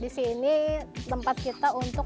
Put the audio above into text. dari awal dia melanjutkan khusus